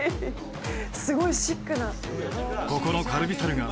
すごいシックな。